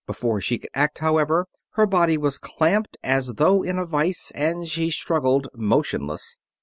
Before she could act, however, her body was clamped as though in a vise, and she struggled, motionless.